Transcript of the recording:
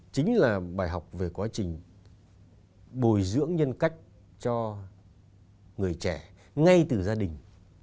chính là bài học về quá trình bồi dưỡng nhân cách cho người trẻ ngay từ gia đình